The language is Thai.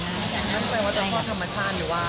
มั่นใจว่าจะคลอดธรรมชาติหรือว่า